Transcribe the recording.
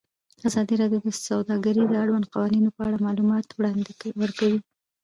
ازادي راډیو د سوداګري د اړونده قوانینو په اړه معلومات ورکړي.